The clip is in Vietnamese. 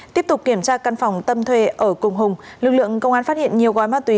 tiếp tục kiểm tra căn phòng tâm thuê ở cùng hùng lực lượng công an phát hiện nhiều gói ma túy